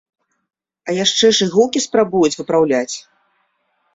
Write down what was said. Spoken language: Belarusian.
А яшчэ ж і гукі спрабуюць выпраўляць!